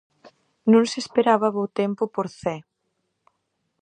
Non se espera bo tempo por Cee.